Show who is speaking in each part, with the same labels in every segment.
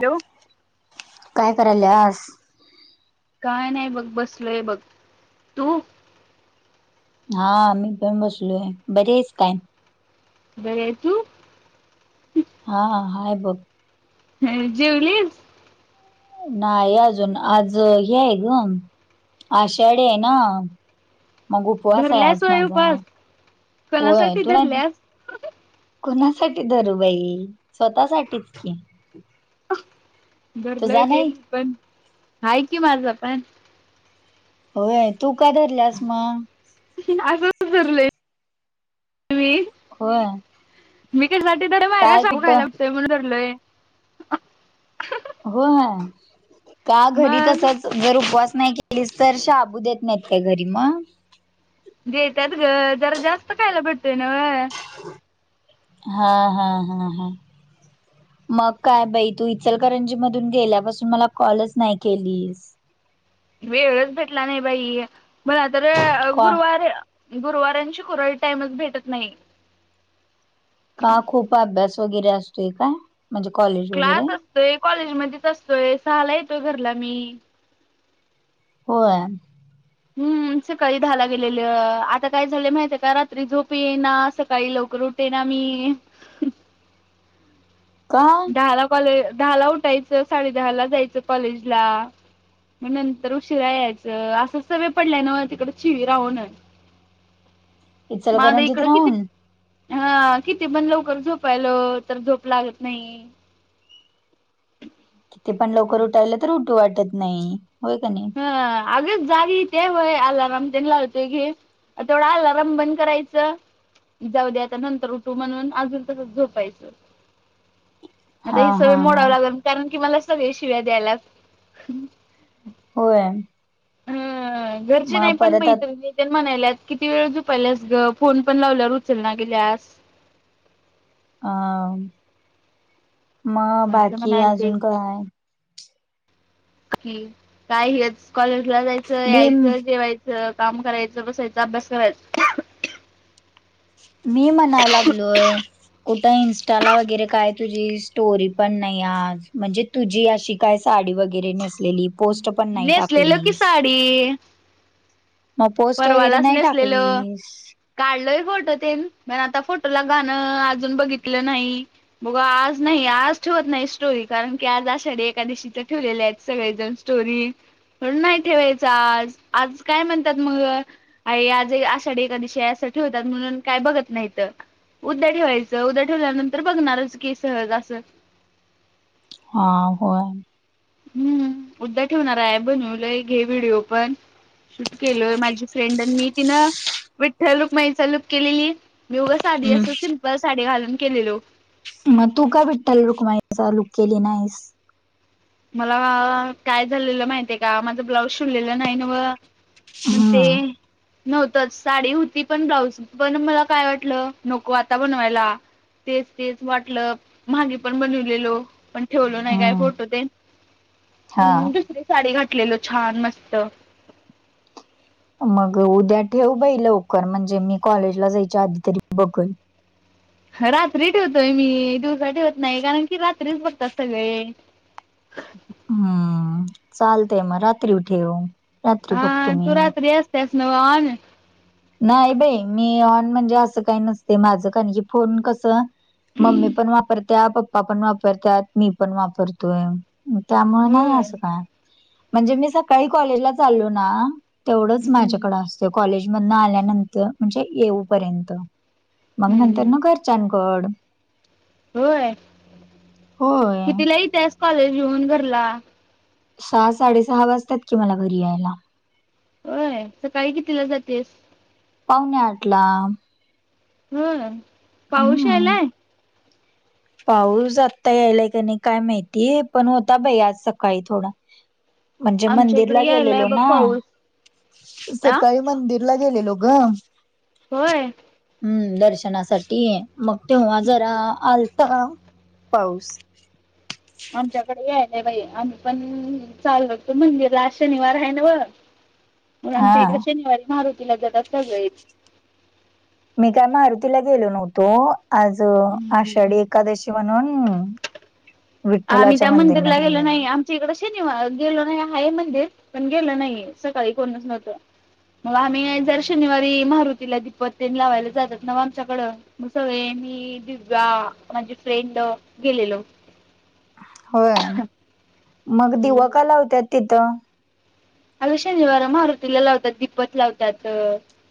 Speaker 1: Hello!
Speaker 2: काय करायल्यास.
Speaker 1: काय नाही बघ बसलोय बघ तू.
Speaker 2: हा मी पण बसलोय बर आहेस काय?
Speaker 1: बरी आहे तु
Speaker 2: हा हाय बघ
Speaker 1: ह ह जेवलीस?
Speaker 2: नाही अजून आज हे आहे ग, आषाढी आहे ना! मग उपवास आहे
Speaker 1: धरल्यास
Speaker 2: आज
Speaker 1: होय
Speaker 2: माझा
Speaker 1: उपास
Speaker 2: होय
Speaker 1: कोणासाठी
Speaker 2: तूला?
Speaker 1: धरल्यास
Speaker 2: कुणासाठी धरू बाई स्वतासाठीच की! तुझा
Speaker 1: भरलंय
Speaker 2: नाही
Speaker 1: गेल पण, आहे की माझं पण!
Speaker 2: होय तू का धरल्यास म!
Speaker 1: [unintelligible]
Speaker 2: होय! काय कुठं
Speaker 1: [unintelligible]
Speaker 2: होयं का घरी
Speaker 1: मग
Speaker 2: तसंच! जर उपवास नाही केलीस तर शाबू देत नाहीत का घरी मग?
Speaker 1: देतात ग, जरा जास्त खायला भेटतय नव्ह?
Speaker 2: हा हा हा हा! मग काय बाई, तू इचलकरंजी मधून गेल्यापासून मला कॉलच नाही केलीस.
Speaker 1: वेळच भेटला नाही बाई, मला तर
Speaker 2: का
Speaker 1: गुरुवार गुरवार आन शुक्रवारी टाईमच भेटत नाही.
Speaker 2: का खूप अभ्यास वगैरे असतोय का, म्हणजे कॉलेज वगैरे.
Speaker 1: ते कॉलेज मध्येच असतोय, सहाला येतोय घरला मी.
Speaker 2: होय!
Speaker 1: हूं सकाळी दहा ला गेलेल, आता काय झाले माहित का रात्री झोप येई ना सकाळी लवकर उठ तेना मी!
Speaker 2: का?
Speaker 1: दहा ला कॉले दहा ला उठायचं, साडे दहा ला जायचं कॉलेज ला. म नंतर उशीरा यायचं, आसं सवयं पडल्याय नवं तिकड चि वी राहून. म आता
Speaker 2: इचलकरंजीत
Speaker 1: इकडं किती?
Speaker 2: राहून
Speaker 1: हा किती पण लवकर झोपायलो, तर झोप लागत नाही.
Speaker 2: किती पण लवकर उठायल, तर ऊठू वाटत नाही होय का नाही.
Speaker 1: ह अगी जागीय ते व्हय अलारांम तेन लावतेय घे. अ तेवढं अलाराम बंद करायचं. जाऊ दे आता नंतर उठू म्हणून अजून तसच झोपायचं.
Speaker 2: [inaudible]
Speaker 1: आता ही सवय
Speaker 2: हा हा
Speaker 1: मोडावं लागल कारण कि मला सगळे शिव्या द्यायलात.
Speaker 2: होय!
Speaker 1: घरची नाही
Speaker 2: मग
Speaker 1: पण
Speaker 2: परत आत-
Speaker 1: मैत्रीनी. तेन म्हणाल्यात, किती वेळ झुपायल्यास ग फोन पण लावल्यावर उचेल ना गेल्यास.
Speaker 2: अ म बाकी अजून काय?
Speaker 1: का की काय हेच कॉलेज ला जायचं
Speaker 2: मी
Speaker 1: यायचं जेवाय चं काम करायचं, बसायचं, अभ्यास कराय
Speaker 2: मी म्हणाय लागलोय! कुठ इंस्टाला वगैरे काय तुझी स्टोरी पण नाही आज म्हणजे. तुझी अशी काय साडी वगैरे नेसलेली पोस्ट पण नाही
Speaker 1: नेसलेलो
Speaker 2: टाकलीस.
Speaker 1: [unintelligible]
Speaker 2: म पोस्ट वगैरे नाही टाकलीस.
Speaker 1: काढलय फोटो तेन म आता फोटोला गाणं अजून बघितलं नाही. बघु आज नाही आज ठीवत नाही स्टोरी कारण की आज आषाढी एकादशीचं ठीवलेल्या आहेत सगळेजण. स्टोरी म्हणून नाही ठेवायच आज आज काय म्हण त्यात मग आये आज आषाढी एकादशी आय, असं ठेवतात. म्हणून काय बघत नाहीत. उद्या ठेवायचं, उद्या ठेवल्यानंतर बघणारच की सहज असं
Speaker 2: हा होय.
Speaker 1: हम्म, उदया ठेवणारा आय, बनवलाय गे व्हिडिओ पण शूट केलोय. माझी फ्रेंड आणि मी, तिनं विठ्ठल रुक्माईचा लुक केलेली. मी उग साधी
Speaker 2: हम्म
Speaker 1: असं, सिम्पल साडी घालून केलेलो.
Speaker 2: म तू का विठ्ठल रुक्माईचा लुक केली नाहीस.
Speaker 1: मला काय झालेलं माहितेय का माझं ब्लाऊज शिवलेला नाय नव्ह म तेे
Speaker 2: हम्म
Speaker 1: नव्हतच, साडी होती पण ब्लाऊज, पण मला काय वाटलं नको आता बनवायला तेच तेच, वाटलं म्हागे पण बनवलेलो. पण ठेवलो नाय काय
Speaker 2: हम्म
Speaker 1: फोटो तेनं
Speaker 2: हा
Speaker 1: म्हणून दुसरी साडी घातलेलो. छान, मस्त
Speaker 2: मग उद्या ठेव बाई लवकर. म्हणजे मी कॉलेजला जायच्या आधी तरी बघल.
Speaker 1: रात्री ठेवतोय मी दिवसा ठेवत नाही. कारण की, रात्रीच बघतात सगळे.
Speaker 2: हम्म, चालतंय म, रात्री ठेव. रात्री बघतो
Speaker 1: हा, तू
Speaker 2: मी
Speaker 1: रात्री असत्यास नव्ह ऑन
Speaker 2: नाही बाई मी ऑन म्हणजे असं काय नसते. माझं कानी हे फोन कसं मम्मी पण वापरत्या, पप्पा पण वापरत्यात, मी पण वापरतोय. त्यामुळ नाय
Speaker 1: होय.
Speaker 2: असं काय, म्हणजे मी सकाळी कॉलेजला चाललो ना तेवढंच
Speaker 1: हम्म
Speaker 2: माझ्याकड असत. कॉलेजमधन आल्यानंत म्हणजे येऊ पर्यंत मग
Speaker 1: हम्म
Speaker 2: नंतर
Speaker 1: हम्म
Speaker 2: न घरच्यांनकड
Speaker 1: होय. कितीला ईत्यास कॉलेज घेऊन घरला
Speaker 2: सहा साडेसहा वाजतात की, मला घरी यायला.
Speaker 1: होय. सकाळी कितीला जातेस?
Speaker 2: पावणे आठला
Speaker 1: होय. पाऊस
Speaker 2: हम्म
Speaker 1: यायलाय.
Speaker 2: पाऊस आता यायलाय का नाई काय माहिती, पण होता बाई आज सकाळी थोडा म्हणजे
Speaker 1: आमच्या
Speaker 2: मंदिरला
Speaker 1: इकडे यायलाय
Speaker 2: गेलेलो
Speaker 1: बघ
Speaker 2: ना
Speaker 1: पाऊस. आ
Speaker 2: सकाळी मंदिरला गेलेलो ग
Speaker 1: होय.
Speaker 2: हम्म, दर्शनासाठी मग, तेव्हा जरा आलत पाऊस
Speaker 1: आमच्याकडे यायला बाई, आम्ही पण चाललो होतो मंदिरला आज शनिवार हाय न्हवं.
Speaker 2: [inaudible]
Speaker 1: मग आमच्या इकडे शनिवारी मारुतीला जातात सगळेच.
Speaker 2: मी काय मारुतीला गेलो नव्हतो. आज
Speaker 1: हम्म
Speaker 2: आषाढी एकादशी म्हणून
Speaker 1: आम्ही
Speaker 2: विठ्ठलाच्या
Speaker 1: त्या मंदिरला
Speaker 2: मंदिरमध्ये
Speaker 1: गेलो
Speaker 2: गेलेलो.
Speaker 1: नाही. आम ची इकड शनिवार गेलो नाय हाये मंदिर पण गेलो नाही सकाळी कोणच नव्हतं. मग, आम्ही जर शनिवारी मारुतीला दीपत तेनं लावायला जातात नव्ह आमच्याकडं म, सगळे मी दिव्या माझे फ्रेंड गेलेलो.
Speaker 2: होय. मग दिव का लावत्यात तिथं
Speaker 1: अग शनिवार मारुतीला लावत्यात. दिपत लावत्यात.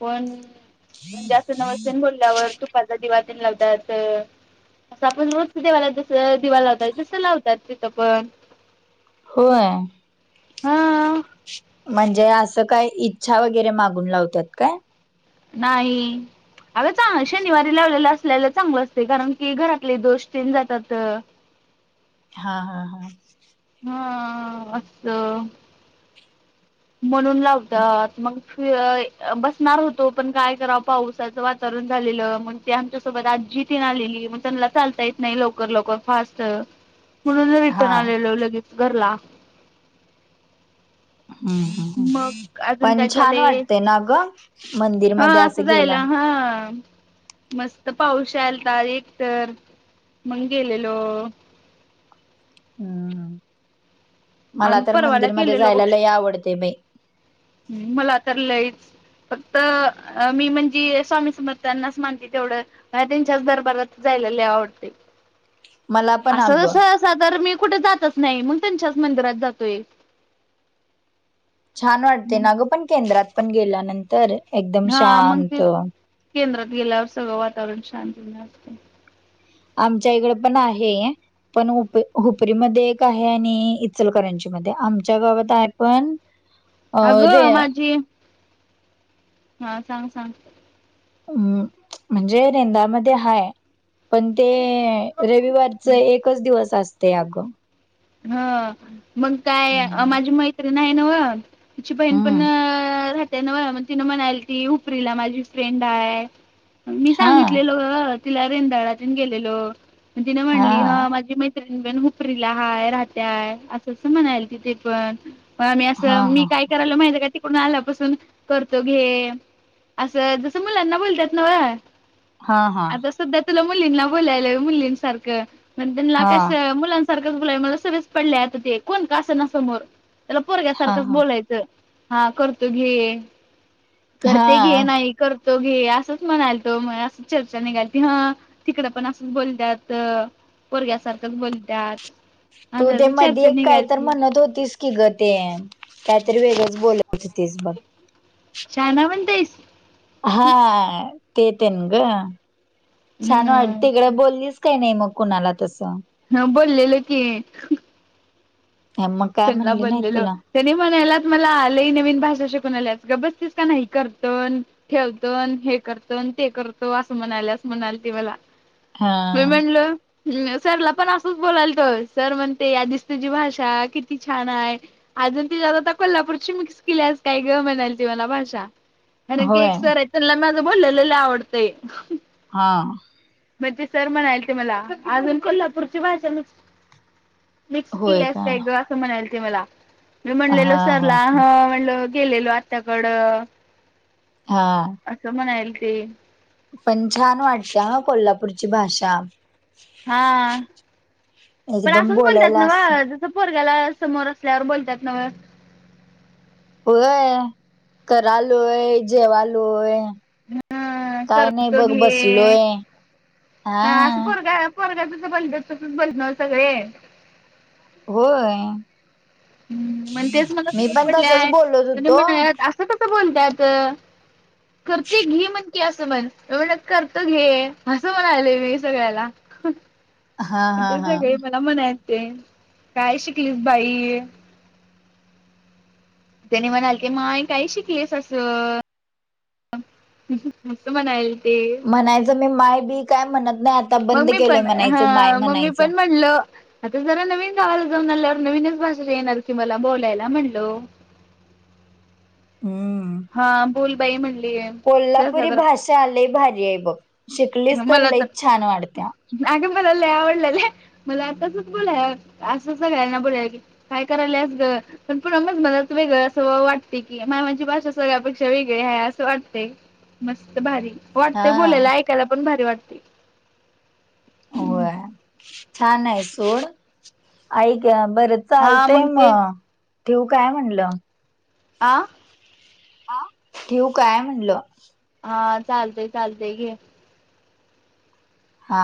Speaker 1: कोण कोणं जास्त नवस तेनं बोलल्यावर तुपाचा दिवा तेनं लावत्यात. असं आपण रोज देवाला जस दिवा लावताय, तसं लावतात तिथं पण
Speaker 2: होय.
Speaker 1: हा
Speaker 2: म्हणजे असं काय इच्छा वगैरे मागून लावतात काय?
Speaker 1: नाही. अग चांग शनिवारी लावलेलं असल्याला चांगलं असतंय कारण की घरातले दोष चेन जातात.
Speaker 2: हा हा हा.
Speaker 1: हां---असं. म्हणून लावतात मग बसणार होतो पण काय करावं पाऊसाच वा वरण झालेलं मग ते आमच्या सोबत आजी तीन आलेली मग त्यांला चालता येत नाही लवकर लवकर फास्ट. म्हणून रिटर्न
Speaker 2: हा
Speaker 1: आलेलो लगीच घरला.
Speaker 2: हम्म.
Speaker 1: मग अजून
Speaker 2: पण
Speaker 1: काय
Speaker 2: छान
Speaker 1: चालय
Speaker 2: वाटतय ना गं! मंदिर
Speaker 1: हा
Speaker 2: मध्ये असं
Speaker 1: जायला
Speaker 2: गेल्यानं.
Speaker 1: हा मस्त पाऊश्या आलताएक तर मग गेलेलो.
Speaker 2: हम्म. मला
Speaker 1: आम्ही
Speaker 2: तर
Speaker 1: परवाला
Speaker 2: मंदिरमध्ये
Speaker 1: गेलेलो
Speaker 2: जायला लय आवडते बाई.
Speaker 1: हम्म, मला तर लईच. फक्त मी म्हणजे स्वामी समर्थांनाच मानते तेवढं. मला त्यांच्याच दरबारात जायला लय आवडतंय.
Speaker 2: मला पण
Speaker 1: असं जस,
Speaker 2: अगं
Speaker 1: अस तर मी कुठे जातच नाही, मग त्यांच्याच मंदिरात जातोय.
Speaker 2: छान वाटतय ना गं! पण केंद्रात पण गेल्यानंतर. एकदम
Speaker 1: हां, मग ते
Speaker 2: शांत
Speaker 1: केंद्रात गेल्यावर सगळं वातावरण शांत असतं य.
Speaker 2: आमच्या इकड पण आहे. पण हुप हुपरीमध्ये एक आहे आणि इचलकरंजी मध्ये आमच्या गावात आहे पण [inaudible] रे
Speaker 1: अगं! माझी हां, सांग, सांग.
Speaker 2: हम्म, म्हणजे रेंदाळमध्ये हाय. पण ते रविवारच एकच दिवस असतय अगं.
Speaker 1: हं, मग काय
Speaker 2: हम्म
Speaker 1: माझी मैत्रीण हाय न्हव. तुची बहीण पण
Speaker 2: हम्म
Speaker 1: रा [unintelligible] त्या तिनं म्हणायल ती उपरीला माझी फ्रेंड हाय. मी
Speaker 2: हा
Speaker 1: सांगितलेलं लोहगावात. तिला रेंदाळातून गेलेलो, तिने
Speaker 2: हा
Speaker 1: म्हणली ह माझी मै पण हुपरीला हाय राहताय. असं असं म्हणाली ती पण. आमी
Speaker 2: हा
Speaker 1: असं, मी
Speaker 2: हा
Speaker 1: काय करायला माहित आहे का? तिकडून आल्यापासून करतो घे, असं जस मुलांना बोलतात नव्ह.
Speaker 2: हा, हा.
Speaker 1: सध्या तुला मुलींना बोलायला मुलींसारखं, पण त्यांना
Speaker 2: हा
Speaker 1: कसं मुलां- सारखं मला सवयच पडले आता ते, कोण का असं ना समोर त्याला
Speaker 2: हा
Speaker 1: पुरग्यासारखंच
Speaker 2: हा
Speaker 1: बोलायचं. हां, करतो घे, करते
Speaker 2: हा
Speaker 1: घे नाही. करतो घे, असंच म्हणालतो म असंच चर्चा निघालती हं. तिकडं पण असंच बोलत्यात, पोरग्यासारखंच बोलत्यात.
Speaker 2: तू ते मधे एक काय तर म्हणत होतीस? की गं ते काहीतरी वेगळच बोलत होतीस बघ.
Speaker 1: शाना बनतोयस.
Speaker 2: हां, ते येतंन गं. छान वाट तिकडे बोललीस. त्यांनी मग कुणाला तसं.
Speaker 1: ह, बोललेलं की
Speaker 2: मग काय
Speaker 1: त्यांना
Speaker 2: म्हणली नाही
Speaker 1: बोललेलो.
Speaker 2: तुला
Speaker 1: त्यानी म्हणायलात मला, लई नवीन भाषा शिकून आल्यास, गप बसतीस का नाही, करतो- ठेवतो अन हे करतो अन् ते करतो, असं म्हणालती मला.
Speaker 2: हा
Speaker 1: मी म्हणलं ह् सरला पण असंच बोलालतो, सर म्हणते आधीच तुझी भाषा किती छान हाय अजून ती ज आ आता कोल्हापूरची मिक्स केल्यास काय गं, म्हणालती मला भाषा‌ कारण की, एक
Speaker 2: होय
Speaker 1: सर आहेत त्यांना माझं बोललेलंलं आवडतंय.
Speaker 2: हा.
Speaker 1: मग ते सर म्हणायलते मला, अजून कोल्हापूरची भाषा मिक्स केल्यास काय ग असं म्हणालते मला, मी म्हणलेलो
Speaker 2: हा हा
Speaker 1: सरला ह म्हणलं गेलेलो आत्याकडं.
Speaker 2: हा.
Speaker 1: असं म्हणायलते.
Speaker 2: पण छान वाटते हं कोल्हापूरची भाषा.
Speaker 1: हा, पण
Speaker 2: एकदम
Speaker 1: असंच बोलत्यात
Speaker 2: बोलायला अस
Speaker 1: नव्हं. असं पोरग्याला समोर असल्यावर बोलतात नवं.
Speaker 2: होय, करालोय जेवालोय
Speaker 1: हा
Speaker 2: काय नाही
Speaker 1: करतो
Speaker 2: बग
Speaker 1: घे
Speaker 2: बसलोय,, हां.
Speaker 1: पोरग जसं बोलत तसच बोलणार सगळे
Speaker 2: होय,
Speaker 1: हम्म मग तेच मला
Speaker 2: मी पण तसच बोलत होतो
Speaker 1: अस कसं बोलत्यातं करते घे म्हण,, करतो घे असं म्हणलोय असं म्हणालोय मी सगळ्याला.
Speaker 2: हा हा
Speaker 1: ते
Speaker 2: हा
Speaker 1: सगळे मला म्हणालते,, काय शिकलीस बाई. त्याने म्हणाले की माय काय शिकलीस असं. असं म्हणायलते.
Speaker 2: म्हणायचं मी माय बी काय म्हणत नाही आ
Speaker 1: मग मी पण,, हा मी पण म्हणलं आता जरा नवीन गावाला जाऊन आल्यावर नवीनच भाषा येणार की मला बोलायला म्हणलं.
Speaker 2: होय.
Speaker 1: हा बोल बाई म्हणलीय, त्या साधार
Speaker 2: चाल लय भारी हाय बघ, शिकली तर लईच छान वाटत्या.
Speaker 1: अगं मला लेय आवडलेली,, मला आताच बोलाय असं सगळ्यांना बोलाय की काय कराल्यास गं पण मजा मला वेगळं असं वाटतय की, मामा माझी भाषा सगळ्यापेक्षा वेगळी हाय असं वाटतय मस्त भारी,
Speaker 2: हा
Speaker 1: वाटतय बोलायला ऐकायला पण भारी वाटतय.
Speaker 2: होय, छान आहे सोड, आईक बरं
Speaker 1: हा
Speaker 2: चालतय
Speaker 1: तेच
Speaker 2: मग,, ठिवू काय म्हणलं.
Speaker 1: आ
Speaker 2: हा,, ठिऊ काय म्हणलं.
Speaker 1: हा चालतय चालतय घे.
Speaker 2: हा.